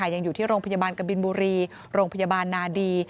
ยังอยู่ที่โรงพยาบาลกบินบุรีโรงพยาบาลนาดี